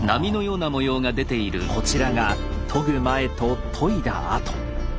こちらが研ぐ前と研いだ後。